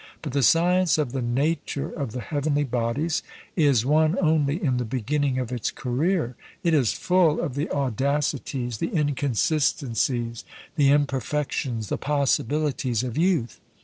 But the science of the nature of the heavenly bodies is one only in the beginning of its career. It is full of the audacities, the inconsistencies, the imperfections, the possibilities of youth.